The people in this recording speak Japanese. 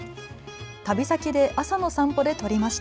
旅先で朝の散歩で撮りました。